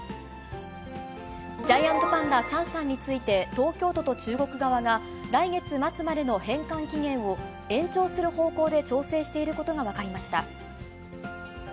ジャイアントパンダ、シャンシャンについて東京都と中国側が、来月末までの返還期限を延長する方向で調整していることが分かりました。